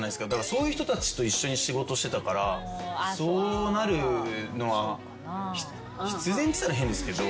そういう人たちと一緒に仕事してたからそうなるのは必然っつったら変ですけど。